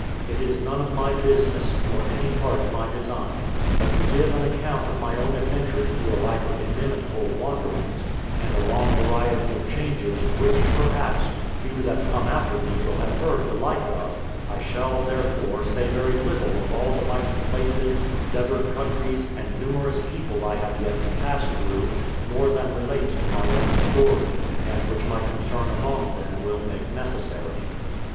It is none of my business, nor any part of my design; but to give an account of my own adventures through a life of inimitable wanderings, and a long variety of changes, which, perhaps, few that come after me will have heard the like of: I shall, therefore, say very little of all the mighty places, desert countries, and numerous people I have yet to pass through, more than relates to my own story, and which my concern among them will make necessary.